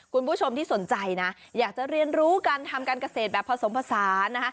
คุณผู้ชมที่สนใจนะอยากจะเรียนรู้การทำการเกษตรแบบผสมผสานนะคะ